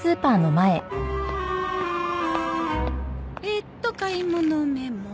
えーっと買い物メモ。